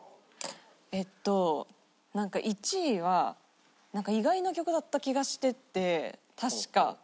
えっとなんか１位は意外な曲だった気がしてて確か。